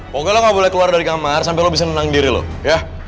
pokoknya lo gak boleh keluar dari kamar sampai lo bisa menang diri loh ya